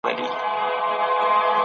خپل کار به په خپله ترسره کوئ.